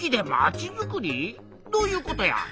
どういうことや？